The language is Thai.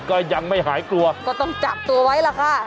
ก็ยังไม่หายกลัวก็ต้องจับตัวไว้ล่ะค่ะ